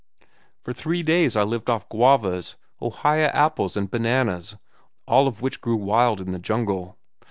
For three days I lived off guavas, ohia apples, and bananas, all of which grew wild in the jungle.